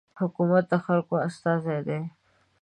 حکومت د خلکو استازی دی.